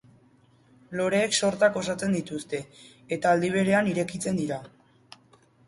Loreek sortak osatzen dituzte eta aldi berean irekitzen dira.